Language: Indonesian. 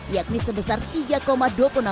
yakni sebesar rp tiga dua puluh enam persen